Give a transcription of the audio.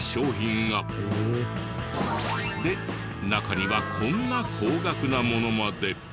で中にはこんな高額なものまで。